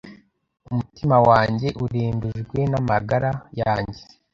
Umutima wanjye urembejwe n’amagara yanjye